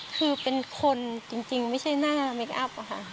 คือเป็นคนจริงไม่ใช่หน้าเมคอัพค่ะ